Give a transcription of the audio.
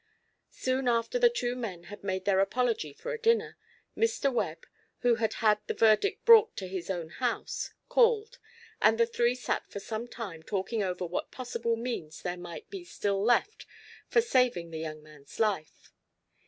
Soon after the two men had made their apology for a dinner, Mr. Webb, who had had the verdict brought to his own house, called, and the three sat for some time talking over what possible means there might be still left for saving the young man's life.